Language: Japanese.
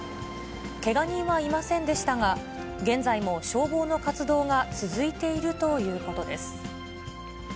けが人はいませんでしたが、現在も消防の活動が続いているということです。